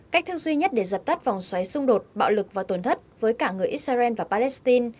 cách thức duy nhất để dập tắt vòng xoáy xung đột bạo lực và tổn thất với cả người israel và palestine